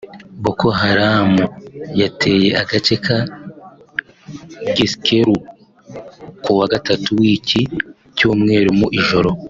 Boko Haram yateye agace ka Gueskérou ku wa gatatu w’iki cyumweru mu ijoro